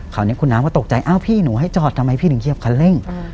คราวนี้คุณน้ำก็ตกใจอ้าวพี่หนูให้จอดทำไมพี่ถึงเหยียบคันเร่ง